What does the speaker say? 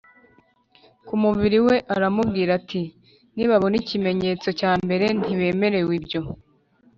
ku mubiri we Aramubwira ati nibabona ikimenyetso cya mbere ntibemere ibyo